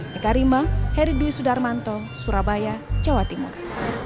nekarima heridwi sudarmanto surabaya jawa timur